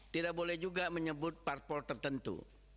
tidak boleh juga menyebut parpol tertentu